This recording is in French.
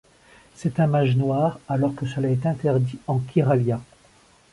C'est un mage noir, alors que cela est interdit en Kyralia.